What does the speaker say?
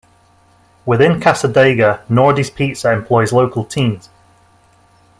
Within Cassadaga, Nordy's Pizza employs local teens.